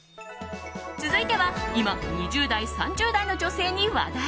続いては今２０代、３０代の女性に話題。